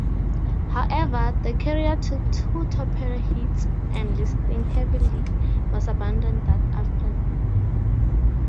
However, the carrier took two torpedo hits and, listing heavily, was abandoned that afternoon.